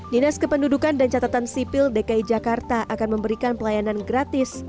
dinas kependudukan dan catatan sipil dki jakarta akan memberikan pelayanan gratis